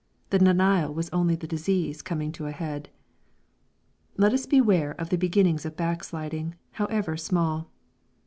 The denial was only the disease coming to a head. Let us beware of the beginnings of backsliding, how ever small.